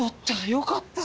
よかった！